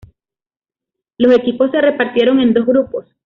Los equipos se repartieron en dos grupos.